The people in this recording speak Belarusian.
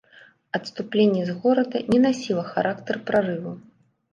Адступленне з горада не насіла характар прарыву.